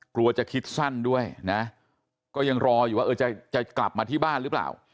กลัวจะคิดสั้นด้วยนะก็ยังรออยู่ว่าเออจะกลับมาที่บ้านหรือเปล่า